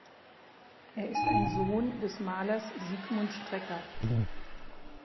Er ist ein Sohn des Malers Sigmund Strecker.